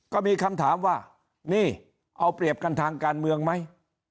ก็มีคำถามว่านี่เอาเปรียบกันทางการเมืองไหม